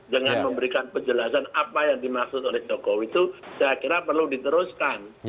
dengan memberikan penjelasan apa yang dimaksud oleh jokowi itu saya kira perlu diteruskan